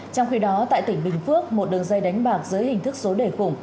trong khi đó tại tỉnh bình phước một đường dây đánh bạc dưới hình thức số đề khủng